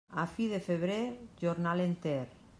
A fi de febrer, jornal enter.